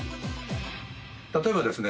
例えばですね